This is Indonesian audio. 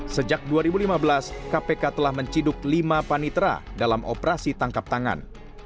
sejak dua ribu lima belas kpk telah menciduk lima panitera dalam operasi tangkap tangan